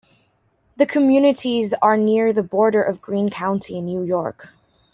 The communities are near the border of Greene County, New York.